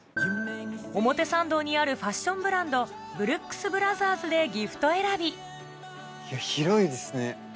表参道にあるファッションブランドブルックスブラザーズでギフト選び広いですね。